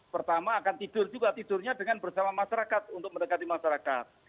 pertama akan tidur juga tidurnya dengan bersama masyarakat untuk mendekati masyarakat